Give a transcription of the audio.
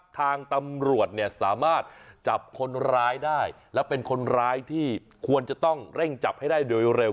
ทางตำรวจเนี่ยสามารถจับคนร้ายได้และเป็นคนร้ายที่ควรจะต้องเร่งจับให้ได้โดยเร็ว